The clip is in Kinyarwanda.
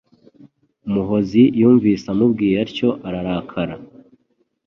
Muhozi yumvise amubwiye atyo ararakara.